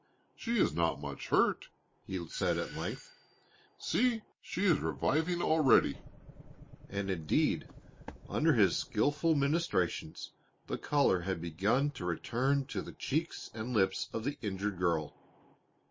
"She is not much hurt," he said at length. "See, she is reviving already." And indeed under his skilful ministrations the color had begun to return to the cheeks and lips of the injured girl.